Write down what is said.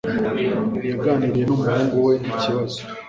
Yaganiriye n'umuhungu we ikibazo.